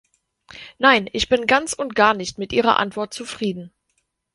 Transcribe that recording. Nein, ich bin ganz und gar nicht mit Ihrer Antwort zufrieden.